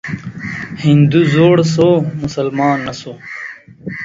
هندو زوړ سو ، مسلمان نه سو.